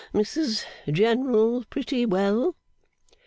Mrs General pretty well?